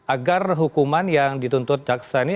agar hukuman yang dituntut jaksa ini